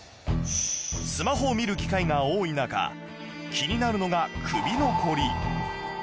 スマホを見る機会が多い中気になるのが首のコリ